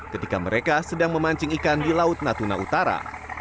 ketika mereka sedang memancing ikan di laut natuna utara